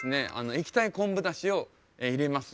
液体昆布だしを入れます。